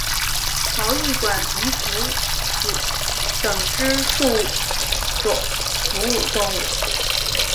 毛翼管鼻蝠属等之数种哺乳动物。